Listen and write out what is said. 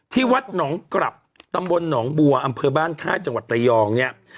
ที่วัดหนองกลับตำบลหนองบัวอำเภอบ้านค่ายจังหวัดระยองเนี่ย